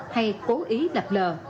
hay cố ý lạc lờ